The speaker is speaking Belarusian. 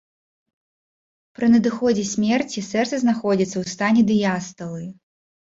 Пры надыходзе смерці сэрца знаходзіцца ў стане дыясталы.